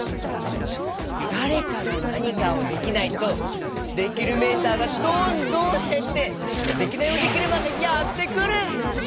だれかがなにかをできないとできるメーターがどんどんへってデキナイヲデキルマンがやってくる！